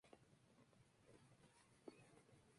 Sin embargo lo peor estaba por llegar.